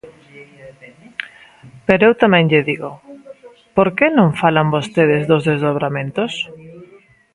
Pero eu tamén lle digo: ¿por que non falan vostedes dos desdobramentos?